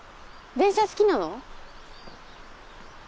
電車好きなの？